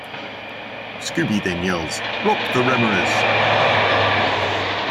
Scooby then yells, Rop the rameras!